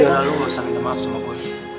jangan lalu gak usah minta maaf sama gue